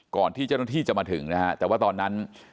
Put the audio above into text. ก่อนที่เจ้าหน้าที่จะมาถึงนะฮะแต่ว่าตอนนั้น